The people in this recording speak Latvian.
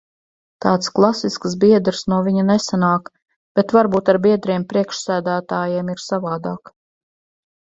Tāds klasisks biedrs no viņa nesanāk, bet varbūt ar biedriem priekšsēdētājiem ir savādāk.